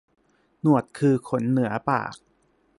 หนวดคือขนเหนือปาก